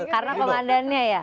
karena kemandannya ya